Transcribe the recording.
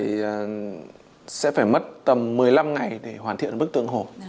thì sẽ phải mất tầm một mươi năm ngày để hoàn thiện một bức tượng hổ